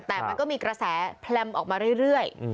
แต่มันก็มีกระแสแพลมออกมาเรื่อย